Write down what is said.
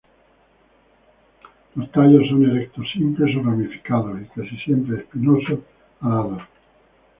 Los tallos son erectos, simples o ramificados y casi siempre espinoso-alados.